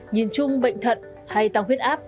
nhìn chung bệnh thận hay tăng huyết áp